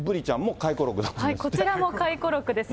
こちらも回顧録です。